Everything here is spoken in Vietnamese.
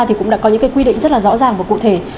thì cũng đã có những cái quy định rất là rõ ràng và cụ thể